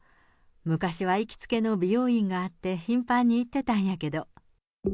昔は行きつけの美容院があって、頻繁に行ってたんやけど。